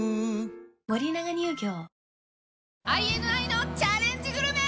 ＩＮＩのチャレンジグルメ！